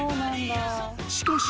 ［しかし］